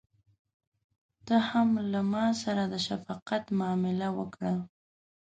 ته هم له ماسره د شفقت معامله وکړه.